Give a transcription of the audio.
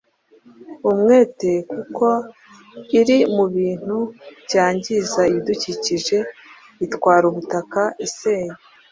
umwete kuko iri mu bintu byangiza ibidukikije itwara ubutaka, isenya